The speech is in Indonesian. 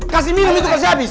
kasih minum itu kasih habis